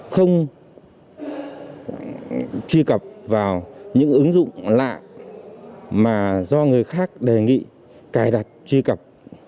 không truy cập vào những ứng dụng lạ mà do người khác đề nghị cài đặt truy cập